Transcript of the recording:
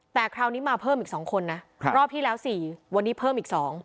แต่คราวนี้มาเพิ่มอีก๒คนนะรอบที่แล้ว๔วันนี้เพิ่มอีก๒